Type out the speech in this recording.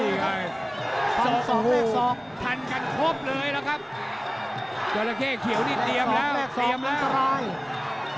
ทวงทรอบแรกทรอบทันกันครบเลยนะครับ